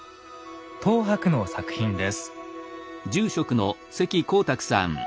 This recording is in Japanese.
等伯の作品です。